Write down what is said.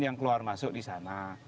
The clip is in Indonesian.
yang keluar masuk di sana